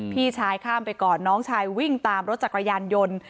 พี่ชายข้ามไปก่อนน้องชายวิ่งตามรถจักรยานยนต์